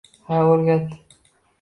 - Ha, o'rgat!